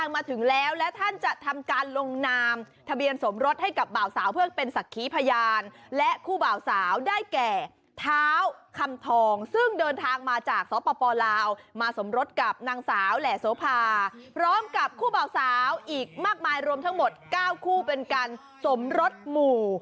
มาสมรสกับนางสาวแหล่สภาพร้อมกับคู่เบาสาวอีกมากมายรวมทั้งหมด๙คู่เป็นการสมรสหมู่